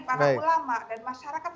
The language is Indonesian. para ulama dan masyarakat